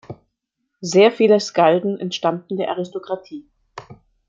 Sehr viele Skalden entstammten der Aristokratie.